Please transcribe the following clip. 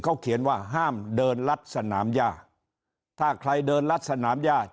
เขาเขียนว่าห้ามเดินลัดสนามย่าถ้าใครเดินรัดสนามย่า